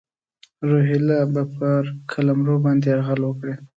روهیله به پر قلمرو باندي یرغل وکړي.